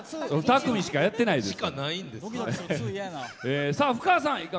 ２組しかやってないんですよ。